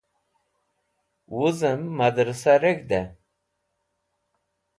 Wuzem Madrasah Reg̃hde